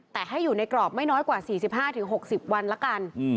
แต่ให้อยู่ในกรอบไม่น้อยกว่า๔๕๖๐วันละกัน